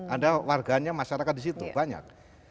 ada warganya masyarakat di situ banyak